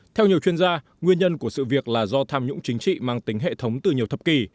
theo nhiều chuyên gia nguyên nhân của sự việc là do tham nhũng chính trị mang tính hệ thống từ nhiều thập kỷ